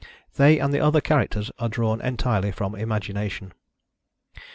They and the other characters are drawn entirely from imagination.